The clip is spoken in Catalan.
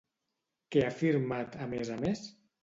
Què ha afirmat a més a més?